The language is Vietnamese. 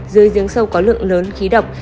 dưới giếng sâu có lượng lớn khí độc